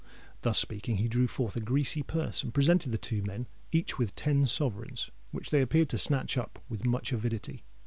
Thus speaking, he drew forth a greasy purse, and presented the two men each with ten sovereigns, which they appeared to snatch up with much avidity.